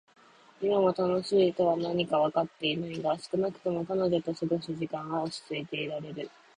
今も「楽しい」とは何かはわかってはいないが、少なくとも彼女と過ごす時間は落ち着いていられる。